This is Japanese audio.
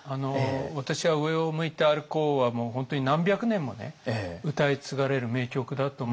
私は「上を向いて歩こう」は本当に何百年も歌い継がれる名曲だと思うんですよ。